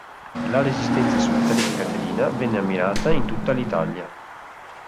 La resistenza solitaria di Caterina venne ammirata in tutta l'Italia.